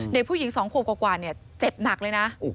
เด็กผู้หญิง๒ขวบกว่าเจ็บหนักเลยนะ